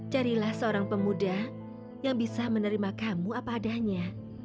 carilah seorang pemuda yang bisa menerima kamu apa adanya